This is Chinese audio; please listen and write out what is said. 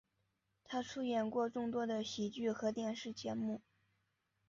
他出演过众多的喜剧和电视节目。